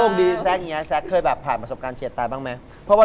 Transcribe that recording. มุนให้รถออกขวาไปแล้วพอฉี่วย้วท้ายรถมันทุกแบบ